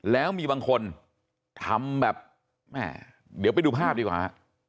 แล้วมีบางคนทำแบบแม่เดี๋ยวไปดูภาพดีกว่าฮะ